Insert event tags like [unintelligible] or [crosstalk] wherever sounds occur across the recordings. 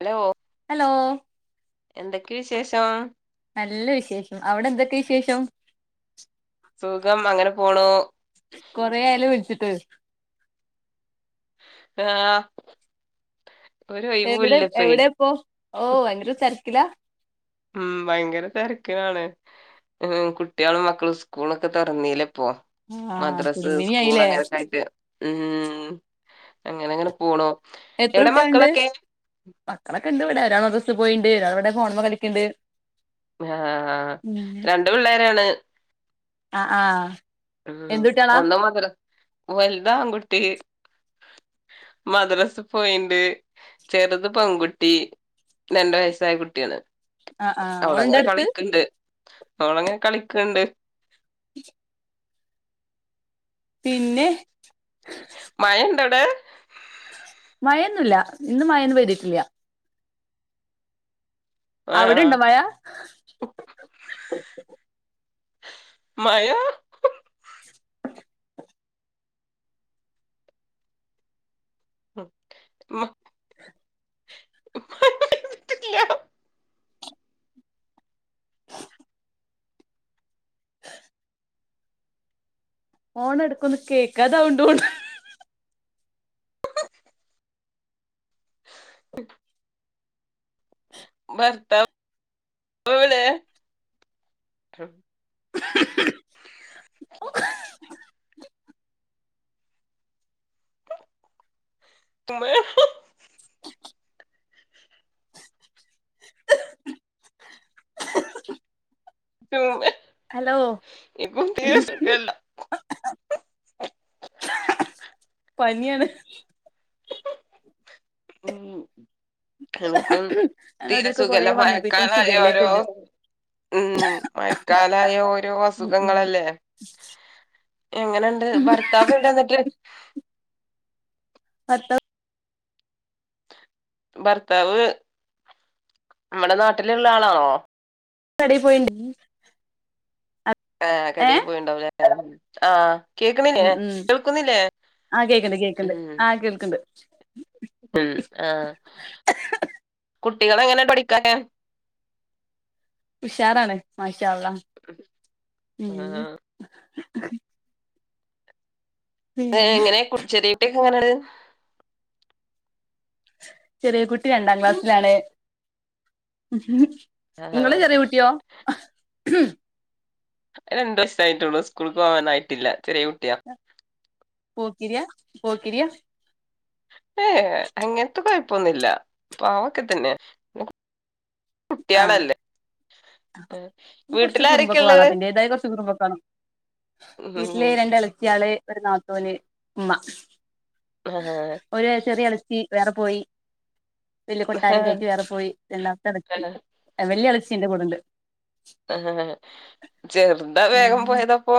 Hello hello എന്തൊക്കെ വിശേഷം? നല്ല വിശേഷം, അവിടെ എന്തൊക്കെ വിശേഷം? സുഖം അങ്ങനെ പോണു. കൊറെ ആയല്ലോ വിളിച്ചിട്ട്. ആഹ് ഒരു എവിടെ ഒഴിവൂല്ലപ്പേ എവിടെ ഇപ്പോ, ഓഹ് ഭയങ്കര തിരക്കിലാ? ഉം ഭയങ്കര തിരക്കിലാണ്. ഉം കുട്ടികളും മക്കളും സ്കൂളൊക്കെ തുറന്നീല ഇപ്പോ. ആഹ് മദ്രാസ് കുടുംബിനി സ്കൂൾ ആയില്ലേ അങ്ങനെയൊക്കെ ആയിട്ട് ഉം അങ്ങനെങ്ങനെ പോണു. എത്ര എവിടെ കുട്ടികളുണ്ട്, മക്കളൊക്കെ മക്കളൊക്കെ ഇണ്ട് ഇവിടെ ഒരാള് അകത്ത് പോയിയേണ്ട്, അവിടെ ഫോണുമേ കളിക്കുണ്ട്. ആഹ് രണ്ട് പിള്ളേരാണ്. ആഹ് ആഹ്. എന്ത് കുട്ടികളാ ഉം മദ്രാസ വലുത് ആൺകുട്ടി. മദ്രസ് പോയിയേണ്ട് ചെറുത് പെൺകുട്ടി. രണ്ട് വയസ്സായാ കുട്ടിയാണ്, ആഹ് ആഹ് അവള് ഓളുണ്ടോ അങ്ങനെ അടുത്ത് കളിക്കുണ്ട്. അവള് അങ്ങനെ കളിക്കുണ്ട്. പിന്നെ മഴണ്ടടെ മഴൊന്നുല്ല ഇന്ന് മഴൊന്നും പൈതിട്ടില്യ ആഹ് അവിടെണ്ടോ മഴ മയാ [unintelligible] ഫോൺഎടുക്കൊന്ന് കേക്കാതാവ്ണ്ട് ഓണ് ഉ ഭർത്താവെവിടെ [unintelligible] ത [unintelligible] ഹലോ ത്തി സുംഖല്ല [unintelligible] പനിയാണ് [inaudible] ഉം എനക്കും ഞങ്ങളെ തീര ഇതിലൊക്കെ കൊറേ സുഖല്ല. മഞ്ഞപ്പിത്തവും മഴക്കാലായ ശിഖല്ലയൊക്കെ ഓരോ ഉണ്ട് ഉം മയക്കാലായ ഓരോ ഉം ഉം അസുഖങ്ങളല്ലേ എങ്ങനെണ്ട് ഭർത്താവെവിടെന്നട്ട് ഭർത്താവ് ഭർത്താവ് മ്മടെ നാട്ടിലുള്ള ആളാണോ കടേ പോയിണ്ട് ഏഹ് ഏ കടയി പോയിണ്ടാവുലേ ആഹ് ഉം കേക്ക്‌ണില്ലേ ഉം കേൾക്കുന്നില്ലേ ഉം അ കേൾക്ക്‌ണ്ട് ഉം ആഹ് കുട്ടികളെങ്ങനെ പഠിക്കാന് ഉഷാറാണ് മാഷാഅള്ള ആഹ് ഏ പിന്നെ എങ്ങനെ കുട്ച്ചല്. റ്റക്ക്‌ങ്ങനൊരു ചെറിയ കുട്ടി രണ്ടാം ക്ലാസ്സിലാണ്. ആഹ് ങ്ങളെ ചെറ്യേ കുട്ട്യോ ആ അരണ്ട് വയസ്സായിട്ടുള്ളു. സ്കൂൾക്കോവാനായിട്ടില്ല. ചെറ്യേ കുട്ടിയാ പോക്കിര്യ പോക്കിര്യ ഏഏ അങ്ങൻത്തെ കൊഴപ്പൊന്നില്ല പാവൊക്കെ തന്നെ കുട്ട്യാളല്ലേ കൊർച്ച് കുർമ്പൊക്കെ വാണം. വീട്ടിലാരൊക്കെള്ളത് അതിന്റേതായ കൊർച്ച് കുർമ്പൊക്കെ വാണം വീട്ടില് ഉം രണ്ടെളച്ചിയാള് ഒരു നാത്തൂന്, ഉമ്മ ആഹ് ഒരു ചെറിയ എളച്ചി വേറെ പോയി വല്യ കൊട്ടാരം കയറ്റി വേറെ പോയി. രണ്ടാമത്തെ എളച്ചി. വല്യ എളച്ചി ന്റെ കൂടെണ്ട് ആഹ് ചെർതാ വേഗം ഉം പോയതപ്പോ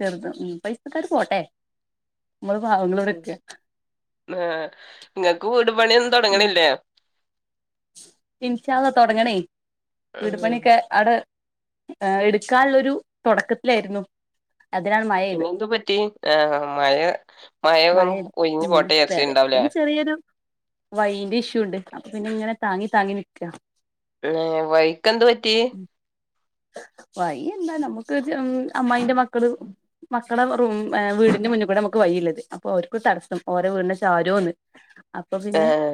ചെർത്, ഉം പൈസക്കാര് പോട്ടെ, നമ്മള് പാവങ്ങള് വടെര്ക്ക ആഹ് ങ്ങക്ക് വീട് പണിയൊന്നും തൊട്ങ്ങ്ണില്ലേ ഇൻശാള്ള തൊടങ്ങണേയ് വീടു ഉം പണിയക്കെ അടെ എടുക്കാന്ള്ളൊരു തൊടക്കത്തിലായിരുന്നു അതിലാണ് മൈ പിന്നെന്തു പറ്റി ആഹ് മഴ മഴന്നണ്ട് മഴെയ്ത് ഒഴിഞ്ഞ് ഉം പോട്ടെ വേറെ യാര്ച്ചിണ്ടാവുലേ പിന്നെ ചെറിയൊരു വൈന്റെ ഇഷ്യൂ ഉണ്ട് അപ്പൊ പിന്നെ ഇങ്ങനെ താങ്ങി താങ്ങി നിക്ക വൈക്ക് എന്ത് പറ്റി വയ്യ എന്താ നമ്മുക്ക് അമ്മായിന്റെ മക്കള് മക്കളെവെറും വീടിന്റെ മുന്ന് കൂടെ നമ്മക് വയിള്ളത് അപ്പൊ അവർക്ക്ഒരു തടസ്സം ഓരോ വീടിന്റെ ചാരോന്ന് അപ്പപിന്നെ ഏഹ്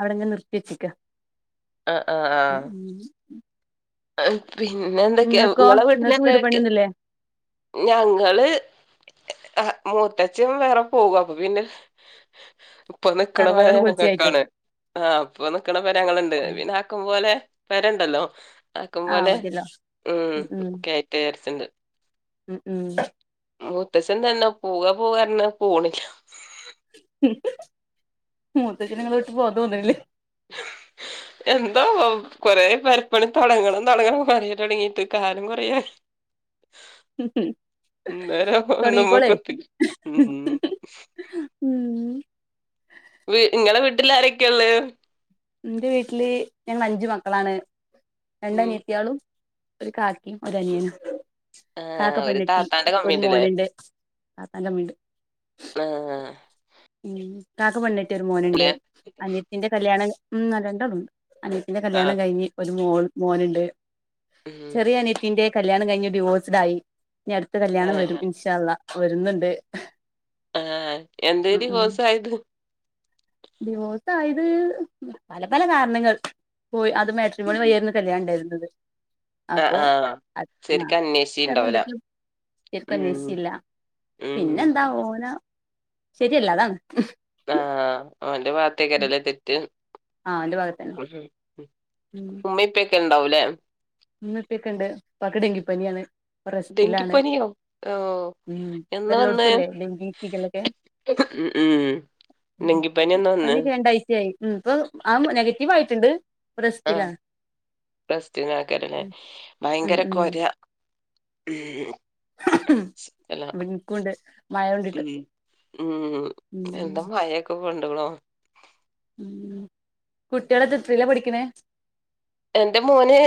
അവിടെങ്ങനെ നിർത്തിച്ച് ക്ക ആഹ് ആഹ് ആഹ് പിന്നെ നിങ്ങൾക്കോ ന്തൊക്കെയാങ്ങളെ നിങ്ങൾക്ക് വീട്ടിലെക്കെ വീട് ആരെക്കയാ പണിയൊന്നുല്ലേ ഞങ്ങള് മൂത്തച്ചി അങ്ങ് വേറെപോകും അപ്പൊ പിന്നെ [inaudible] ഇപ്പനിക്കണ തറവാടാണ് പൊളിച്ചു കയറ്റും പെരനങ്ങക്കക്കാണ് ആഹ് അപ്പ നിക്കണ പെരങ്ങള് ഇണ്ട് പിന്നെഅപ് ആക്കും പോലെ പെരണ്ടല്ലോ ആക്കും ആഹ് പോലെ മതിയല്ലോ ഉം കേറ്റേ കൊറച്ചുണ്ട് ഉം ഉം മൂത്തശൻ തന്നെ പൂവ പോവന്നറഞ്ഞ് പോണില്ല മൂത്തച്ചന് ങ്ങളെവിട്ട് പോവാതോന്ന്ണ് ല്ലേ [inaudible] എന്താവൊ കൊറെപെരപ്പണിതൊ ടങ്ങണം തൊടങ്ങണം പറയാൻതൊടങ്ങീട്ട് കാലംകൊറേആയി ഉം ഹം ഉം ഇന്നുവര നമ്മക്കൊത്തില്ല ഉം ഉം നിങ്ങളവീട്ടില് ആരൊക്കെയാഉള്ളത് ഇന്റെ വീട്ടില് ഞങ്ങള് അഞ്ചു മക്കളാണ് രണ്ട് ഉം അനിയത്തിയാളും ഒര് കാകീം ഒരനിയനും കാക്ക ആഹ് ഒരു പെണ്ണ് താത്താന്റെ ട്ടിഒരു കമ്മിണ്ട്ല്ലേ മോന്ണ്ട് താത്തന്റെ ഇമ്മിണ്ട് ആഹ് ഉം കാക്ക പെണ്ണ് ട്ടി ഒരു മോനുണ്ട് ല്ലേ അനിത്തിന്റെ കല്യാണം ഉം [unintelligible] ന്റെ കല്യാണം ആഹ് കഴിഞ്ഞ് ഒരുമോൾമോനുണ്ട് ഉം ചെറിയ അനിയത്തിന്റെ കല്യാണം കഴിഞ്ഞ് ഡിവോഴ്സ്ഡ് ആയി ഇനി അടുത്ത് കല്യാണംവരും ആ ഇൻഷാഅള്ളാഹ് വരുന്നുണ്ട് ആഹ് എന്തേ ഉം ഉം ഡിവോഴ്‌സായത് ഡിവോഴ്സ് ആയത് പല പല കാരണങ്ങൾ പോയി അത് മേട്രിമോണി വയി ആയിരുന്ന് കല്യാണം ണ്ടാര്ന്നത് ആഹ് അപ്പൊ ആഹ് അത് ശരിക്കും അന്വേഷിച്ചിണ്ടാവൂല. ചിലതെന്തൊക്കെയൊ ഉം ശരിക്കുംഅന്വേശിച്ചില്ല ഉം പിന്നെന്താ ഓന ശരിയല്ല അതാണ് ആഹ് ഓന്റ ഭാ ഗതെക്കല്ലേ തെറ്റ് ആ അവന്റെ ഭാഗത്തന്നെ ഉമ്മപ്പൊക്കെ ഉണ്ടാവു ല്ലേ മ്മ ഇപ്പക്കെ ഇണ്ട് പ്പാക്ക്‌ ഡങ്കിപ്പനി ആണ് ഇപ്പ റെസ്റ്റിലാണ് ഡെങ്കിപ്പനിയോ? ഓഹ് എന്നാ വന്നേ? ഇപ്പല്ലൊടുത്തുല്ലേ ഡെങ്കി ശിഗല്ലക്കെ ഉം ഉം ഡെങ്കിപ്പനിഎന്നു വന്ന് പനിയൊക്കെ രണ്ടാഴ്ചയായി ഉം ഇപ്പൊഅനെഗറ്റീവ്ആയിട്ടുണ്ട് ഇപ്പ റെസ്റ്റിലാ റെസ്റ്റിനാകരല്ലെ ഉം ഉം ഭയങ്കരകൊരാ ഉം അല്ല എനിക്കുവുണ്ട് മഴകൊണ്ടിട്ട് ഉം ഉം എന്താ മയക്കെകൊണ്ട്കുണോ ഉം കുട്ടിളത് ത്രയിലാ പഠിക്ക‌ണെ എന്റെ മോന്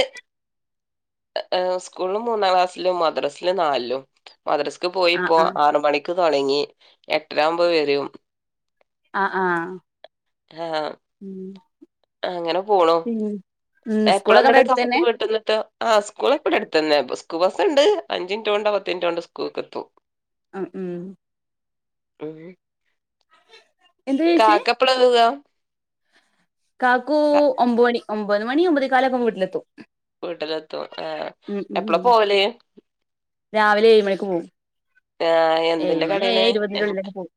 സ്കൂളില് മൂന്നാംക്ലാസ്സിലും മദ്രസില്നാലിലും മദ്രസക്ക് ആഹ് പോയിപ്പോ ആഹ് ആറ്മണിക്ക് തൊടങ്ങി എട്ടരാവുമ്പോ വരും ആഹ് ആഹ് ആഹ് ഉം അങ്ങനെ പോണു പിന്നെ ഉം സ്കൂളൊക്കെ അവിടെ എപ്പളന്നിട്ട്കെ മ്മക്ക്‌ അടുത്തന്നെ വീട്ട് ക് ത്ത ആ സ്കൂളൊകെ ബടട്ത്തന്നെ സ്ക്കു ബസ്സ് ഇണ്ട് അഞ്ചന് റ്റ്ട്ടൊപത്ത്ന് റ്റ് ട്ടൊകൊണ്ട് സ്കൂൾക്ക്‌ എത്തും അ ഉം ആഹ് എന്താ ചോയിച്ചേ കാകപ്പളവ കാകൂ ഒമ്പമണി ഒമ്പത് മണി ഒമ്പത് കാലൊക്കെ പൊവീട്ടിലത്തും വീട്ടിലെത്തു ആഹ് എപ്പള പോവല് രാവിലെ ഏഴ് മണിക്ക് പോവും ആഹ് എന്തിന്റെ കടയാണ് ഇരുപതിന്റെ ഉള്ളിലൊക്കെ പോകും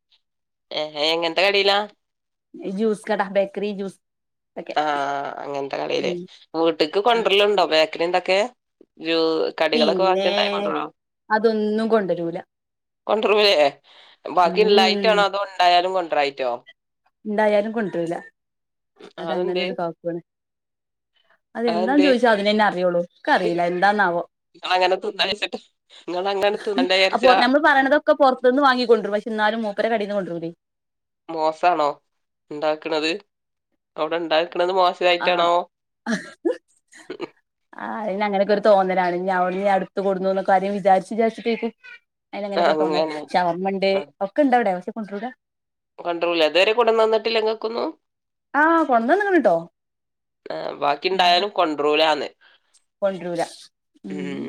ഏ എങ്ങനത്തെ കടയിലാ ജ്യൂസ് കട ബേക്കറി ജ്യൂസ് ഒക്കെ ആഹ് അങ്ങനത്തെ കളിയില് ഉം വീട്ടക്ക് കൊണ്ടരലുണ്ടോ ബോക്കിന ഇതൊക്കെ പിന്നെ അതൊന്നും കൊണ്ടരൂല കൊണ്ടുരൂല്ലേ ഉം ബാക്കിലായിട്ടാണോ അതോ ഉണ്ടായാലും കൊണ്ടറായിറ്റോ ഉണ്ടായാലും കൊണ്ടരൂല്ല അതങ്ങനെ അതെന്തേ ഒരു കക്കാണ് അതെന്താ അതെന്തേ ചോദിച്ചാ അതിനന്നെ അറിയോള്ളൂ ഒക്ക അറിയില്ല എന്താന്നാവോ ങ്ങളങ്ങനെ [unintelligible] ട്ടാ അപ്പൊ നമ്മള് പറയണതൊക്കെ പുറത്തന്ന് വാങ്ങിക്കൊണ്ടുരും പക്ഷ എന്നാലും മൂപ്പര കടയിൽന്ന് കൊണ്ടരില്ലയ് മോശാണോ ഉണ്ടാക്കുണത് അവിടെ ഉണ്ടാക്കണത് മോശ തായിട്ടാണോ അത് ആഹ് അയ്ന് അങ്ങനൊക്കൊരു തോന്നലാണ് ഇനി അവടെ അടുത്ത് കൊടുന്നുന്നൊക്കെ ആരും വിചാരിച്ച് വിചാരിച്ചിട്ടെക്കും അയിന് അങ്ങനെയൊക്കെ തോന്നാ അങ്ങനെ ഷവർമ്മണ്ട് ഒക്കെ ഉണ്ടവിടെ പക്ഷെ കൊണ്ടരുല കൊണ്ടരൂല ഇതുവരെ കൊണ്ടുന്നന്നിട്ടില്ല ങ്ങൾക്കൊന്നും ആഹ് കൊണ്ടന്നങ്ങണട്ടോ ആഹ് ബാക്കിണ്ടായാലും കൊണ്ടറൂലന്ന് കൊണ്ടരൂല ഉം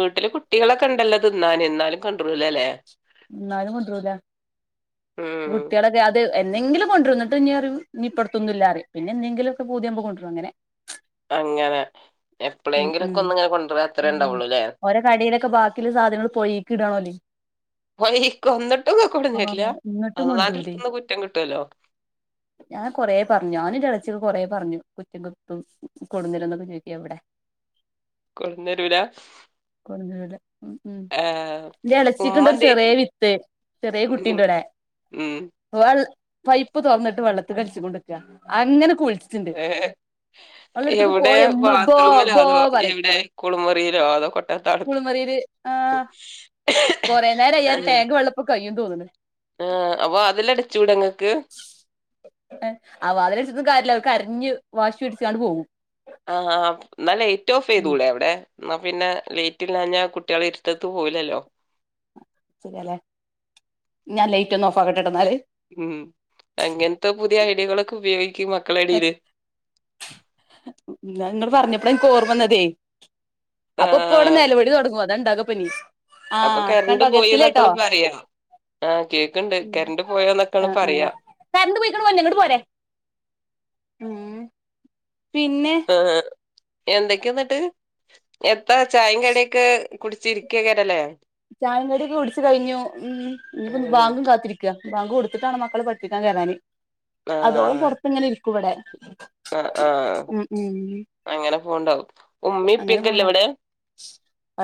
വീട്ടില് കുട്ടിയാൾ ഒക്കെ ഇണ്ടല്ലോ തിന്നാന്ന് ഇന്നാലും കൊണ്ടരുല്ല ല്ലേ ന്നാലും കൊണ്ടുരുല്ല ഉം കുട്ടികളക്കെ എന്നെങ്കിലും കൊണ്ടുരും എന്നിട്ട് ഇനി പറയും ഇപ്പറത്തൊന്നുംല്ല പറയും പിന്നെന്തെങ്കിലുക്കെ പൂതിയാവ്പോ കൊണ്ടുരും അങ്ങനെ [inaudible] അങ്ങനെ ഉം എപ്പോളെങ്കിലും ഉം ഒക്കെ ഒന്നിങ്ങനെ കൊണ്ടുര അത്രേ ഉം ഉണ്ടാവുള്ളൂല്ലേ ഓരോ കടയിലൊക്കെ ബാക്കിയുള്ള സാധനങ്ങൾ പൊഴേക്ക് ഇടാണോല് വക്ക് ഒന്നിട്ടും കൊടഞ്ഞരില്ല ആഹ് ഇങ്ങട്ടും കൊണ്ടരൂലേ അല്ലാന്റെട്ത്ന്ന് കുറ്റം കിട്ടുവല്ലോ [inaudible] ഞാൻ കൊറേ പറഞ്ഞു ഞാനും ന്റെളച്ചി കൊറേ പറഞ്ഞു കുറ്റും കുത്തും കൊടുന്നിരന്നൊക്കെ ചോദിക്കിയ ന്നട്ട് അവിടെ [inaudible] കൊടന്നരൂല [unintelligible] ഏഹ് ഉമ്മ ചച്ചിക്കണ്ട ഒരു എന്തേ ചെറിയ വിത്ത് ചെറിയ ഉം കുട്ടീന്റെ ഇടെ ഉം വ പൈപ്പ് തുറന്നിട്ട് വെള്ളത്തി കളിച്ചു കൊണ്ടക്ക അങ്ങനെ കുളിച്ചു ഏഹ് എവിടെ പോയ ഉമ്മ ബോ ബോ ബാത്ത്റൂമിലാതോ പറയും എവിടെ കുളമുറിയിലോ അതോ കൊട്ടത്താളത്തിലോ [unintelligible] കുറേ നേരം അയ്യാ ടാങ്ക് വെള്ളപ്പൊ കയ്യും തോന്നണ് ആഹ് അപ്പൊ അതെല്ലാം അടച്ചുടെ നിങ്ങൾക്ക് അവ അതിനിച്ചന്നും കാര്യല്ല അവ കരഞ്ഞ് വാശി പിടിച്ചാണ്ട് പോകും ആഹ് ആ ന്ന ലൈറ്റ് ഓഫ് ഉം ചെയ്തുടെ അവിടെ എന്നാ പിന്നെ ലേറ്റ് ഇല്ലഞ്ഞാൽ കുട്ടികളെ ഇരുത്തത്ത് പോവിലല്ലോ ല്ലേ ഞാൻ ലൈറ്റ് ഒന്ന് ഓഫ് ആകട്ടെ എന്നാല് ഉം അങ്ങനത്തെ പുതിയ ഐഡിയകളൊക്കെ ഉപയോഗിക്ക്‌ മക്കള ഇടയില് നിങ്ങൾ പറഞ്ഞപ്പോള എനിക്ക് ഓർമ്മന്നതെ അപ്പൊ ആഹ് നിലവിളി തുടങ്ങും അതെണ്ടകപ്പനി അപ്പൊ കരണ്ട് പോയിന്നൊക്കാണ് പറയാ ആഹ കേൾക്കണ്ട് കരണ്ട് പോയന്നൊക്കെ പറയാ കരണ്ടു പോയിക്കണ ഇങ്ങട്ട് പോരെ ഉം ആഹ് ആഹ് എന്തൊക്കെയ എന്നിട്ട് എത്താ ചായേ കടിയൊക്കെ കുടിച്ചിരിക്കുക കേരല്ലേ ചായങ്കടൊക്കെ കുടിച്ചു കഴിഞ്ഞു ഉം ഇനിപ്പൊ ഉം ബാങ്കും കാത്തിരിക്കുക ബാങ്ക് കൊടുത്തിട്ടാണ് മക്കള പഠിപ്പിക്കാൻ കയറാന് അതോളം ആഹ് പോറത്ത് ഇങ്ങനെ ഇരിക്കും ഇവിടെ ആഹ് ആഹ് ഉം ഉം അങ്ങനെ പോണ്ടാവും ഉമ്മിപ്പക്കല്ലേ ഇവടെ?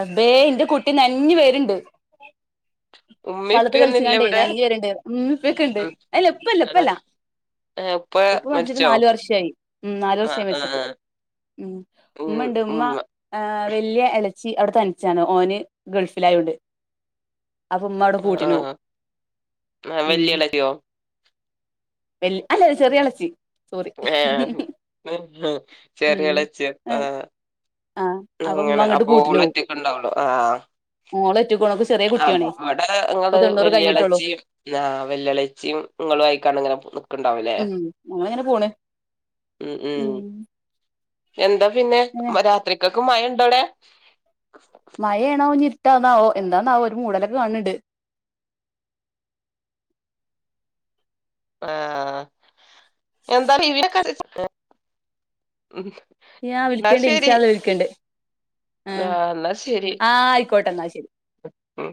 റബേ ഇന്റെ കുട്ടി നൻഞ്ഞ് വെരേണ്ട്. ഉമ്മേം വള്ളത്തി ഉപ്പയൊന്നും ഇല്ല കളിച്ചികാണ്ടേ ഇവിടെ നൻഞ്ഞ് വെരെണ്ട് ഉമ്മേപ്പെക്കെണ്ട് ഉം അല്ല ഉപ്പല്ല അതാ പ്പല്ലാ. ഏഹ് ഉപ്പ മരിച്ചിട്ട് മരിച്ചോ നാല് വർഷായി ഉം നാലു ആഹ് വർഷായി ആഹ് മരിച്ചിട്ട്. ആഹ് ഉം ഉമ്മെണ്ട് ഉമ്മ ആഹ് വെല്ല്യ എളെച്ചി അവിടെത്തനിച്ചാണ് ഓന് ഗൾഫിലായോണ്ട്. അപ്പൊ ഉമ്മവടെ ആഹ് കൂട്ടിനു ആഹ് ആഹ് ഉം വല്യേളച്ചിയോ വെൽ അല്ല ചെറിയെളച്ചി. ഏഹ് ഉം ചെറിയെളെച്ചി ആഹ് ആഹ് അപ്പൊ ഇങ്ങനെ അപ്പോളൊറ്റക്കെണ്ടാവുള്ളു ആഹ് മോളറ്റക്കൊള്ളൂ അപ്പ സ് ആഹ് അവടെ ഇങ്ങൾത് കഴിഞ്ഞിട്ടുള്ളൂ വെല്ല്യളെച്ചിം ആഹ് വെല്ല്യേളെച്ചിം ഇങ്ങളുവായിക്കാണ്ട് ഇങ്ങനെ നിക്കണ്ടാവുല്ലേ. അങ്ങനിങ്ങനെ പോണ് ഉം എന്താ പിന്നെ ഏ രാത്രിക്കക്കെ മയണ്ടോവിടെ? മയെണോ ഞിരിട്ടാവന്നാവോ എന്താന്നാവോ ഒരു മൂടലൊക്കെ കാണ് ണ്ട്. ആഹ് എന്താലു ഇവിടക്കെ [unintelligible] ഉം ഞാൻ വിളിക്കെണ്ട് ഇൻഷാള്ള വിളിക്കെണ്ട് ആഹ് എന്നാ ശരി ആയിക്കോട്ടെ എന്നാ ശെരി. ഉം